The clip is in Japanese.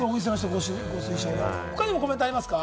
他にもコメントありますか？